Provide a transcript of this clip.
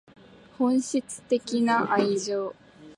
本質的な愛情